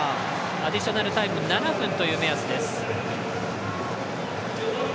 アディショナルタイム７分という目安です。